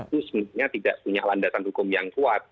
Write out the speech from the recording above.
itu sebenarnya tidak punya landasan hukum yang kuat